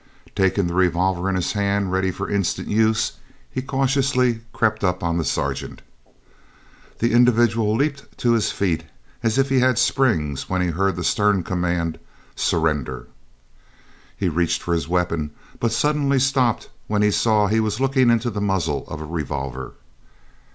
Taking the revolver in his hand, ready for instant use, he cautiously crept up on the sergeant. [Illustration: HE CAUTIOUSLY CREPT UP ON THE SERGEANT.] That individual leaped to his feet as if he had springs when he heard the stern command, "Surrender!" He reached for his weapon, but suddenly stopped when he saw he was looking into the muzzle of a revolver.